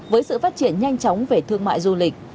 với sự phát triển nhanh chóng về thương mại du lịch